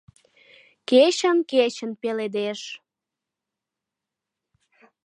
Кечын, кечын пеледеш